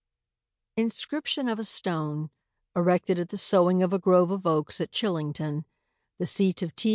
INSCRIPTION FOR A STONE ERECTED AT THE SOWING OF A GROVE OF OAKS AT CHILLINGTON, THE SEAT OF T.